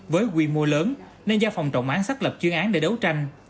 với quy mô lớn nên do phòng trọng án xác lập chuyên án để đấu tranh